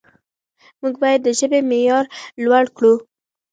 موږ باید د ژبې معیار لوړ کړو.